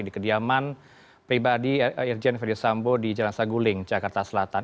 di kediaman pribadi irjen ferdisambo di jalan saguling jakarta selatan